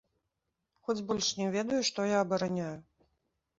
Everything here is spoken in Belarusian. Хоць больш не ведаю, што я абараняю.